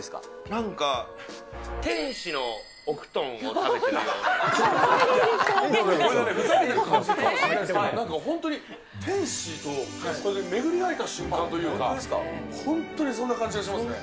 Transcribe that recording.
なんか、天使のお布団を食べなんか本当に天使と巡り会えた瞬間というか、本当にそんな感じがしますね。